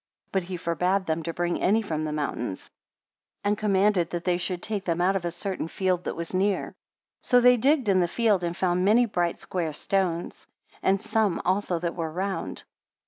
But he forbad them to bring any from the mountains, and commanded that they should take them out of a certain field that was near. 55 So they digged in the field, and found many bright square stones, and some also that were round.